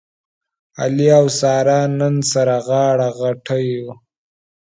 علي او ساره نن سره غاړه غټۍ و.